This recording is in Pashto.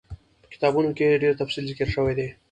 په کتابونو کي ئي ډير تفصيل ذکر شوی دی